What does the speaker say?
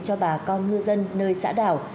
cho bà con ngư dân nơi xã đảo